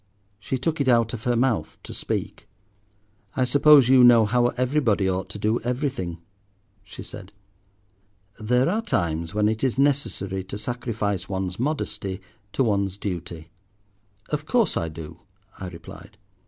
She took it out of her mouth to speak. "I suppose you know how everybody ought to do everything," she said. There are times when it is necessary to sacrifice one's modesty to one's duty. "Of course I do," I replied.